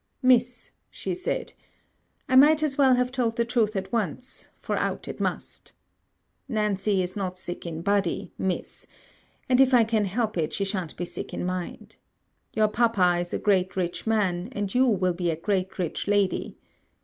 'Miss,' she said, 'I might as well have told the truth at once, for out it must. Nancy is not sick in body, Miss; and if I can help it, she shan't be sick in mind. Your papa is a great rich man, and you will be a great rich lady.